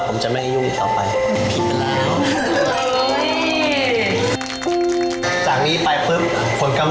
ผมจะไม่ให้ยุ่งเขาไปผิดเวลา